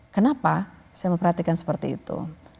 kenapa saya memperhatikan seperti itu